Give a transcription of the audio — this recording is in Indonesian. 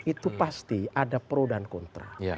itu pasti ada pro dan kontra